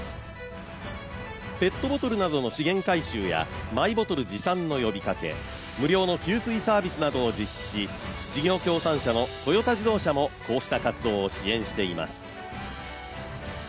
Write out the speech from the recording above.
ペットボトルなどの資源回収やマイボトル持参の呼びかけ、無料の給水サービスなどを実施し事業協賛社のトヨタ自動車もこうした活動を支援しています。